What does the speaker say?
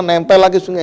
nempel lagi sungai